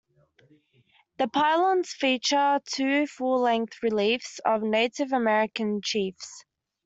The pylons feature two full-length reliefs of Native American chiefs.